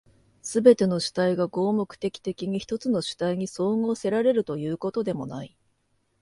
すべての主体が合目的的に一つの主体に綜合せられるということでもない。